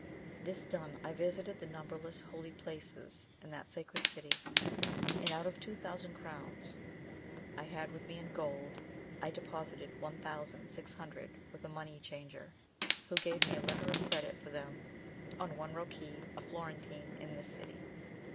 This done, I visited the numberless holy places in that sacred city, and out of two thousand crowns I had with me in gold, I deposited one thousand six hundred with a money changer, who gave me a letter of credit for them on one Roqui, a Florentine, in this city.